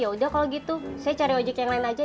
ya udah kalau gitu saya cari ojek yang lain aja